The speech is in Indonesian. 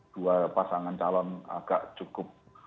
dua pasangan calon agak cukup